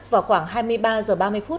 vào khoảng hai mươi ba h ba mươi phút